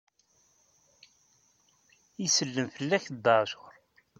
Isellem fell-ak a Dda ɛacur.